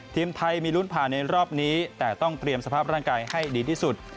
ทีมไทยมีลุ้นผ่านในรอบนี้แต่ต้องเตรียมสภาพร่างกายให้ดีที่สุด